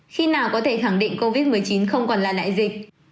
khi nào có thể khẳng định covid một mươi chín không còn là đại dịch